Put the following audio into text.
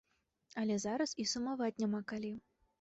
Але зараз і сумаваць няма калі.